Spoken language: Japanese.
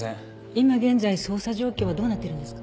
今現在捜査状況はどうなってるんですか？